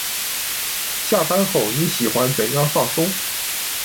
下班后你喜欢怎样放松？